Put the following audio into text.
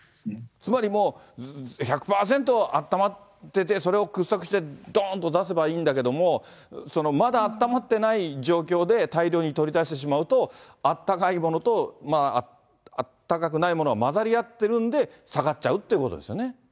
つまりもう、１００％あったまってて、それを掘削してどーんと出せばいいんだけども、まだあったまってない状況で、大量に取り出してしまうと、あったかいものとあったかくないものが混ざり合ってるんで、下がっちゃうっていうことですよね。